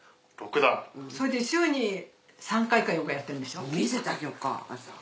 それで週に３回か４回やってるんでしょ？